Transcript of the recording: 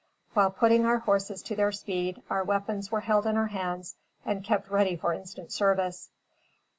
While putting our horses to their speed, our weapons were held in our hands and kept ready for instant service.